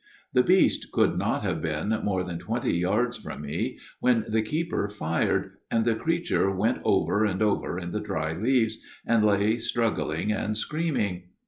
" The beast could not have been more than twenty yards from me, when the keeper fired, and the creature went over and over in the dry leaves, and lay struggling and screaming.